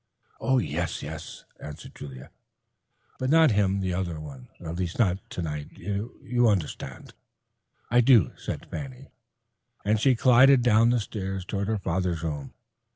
"Oh, yes, yes," answered Julia, "but not him, the other one—at least not tonight. You understand." "I do," said Fanny, and she glided down the stairs toward her father's room.